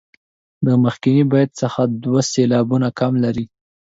د مخکني بیت څخه دوه سېلابونه کم لري.